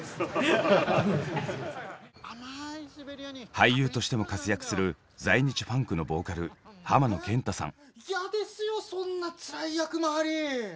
俳優としても活躍する在日ファンクのボーカル浜野謙太さん。